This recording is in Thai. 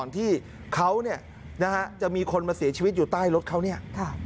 หวังที่เขาจะมีคนมาเสียชีวิตอยู่ใต้รถเขาเนี่ย